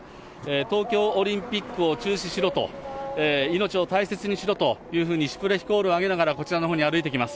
東京オリンピックを中止しろと、命を大切にしろというふうにシュプレヒコールを上げながら、こちらのほうに歩いてきます。